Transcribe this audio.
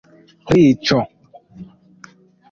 Riĉo